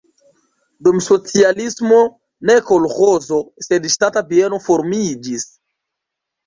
Dum la socialismo ne kolĥozo, sed ŝtata bieno formiĝis.